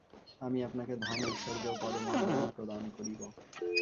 আমি আপনাকে ধন ঐশ্বর্য ও পদমর্যাদা প্রদান করিব।